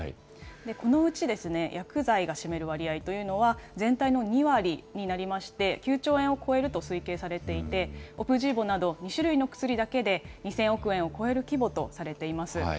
このうちですね、薬剤が占める割合というのは、全体の２割になりまして、９兆円を超えると推計されていて、オプジーボなど、２種類の薬だけで２０００億円を超える規模とされています。